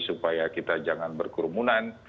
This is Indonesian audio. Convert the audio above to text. supaya kita jangan berkurumunan